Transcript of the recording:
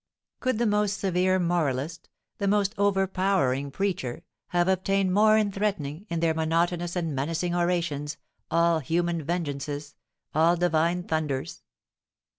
Could the most severe moralist the most overpowering preacher have obtained more in threatening, in their monotonous and menacing orations, all human vengeances all divine thunders?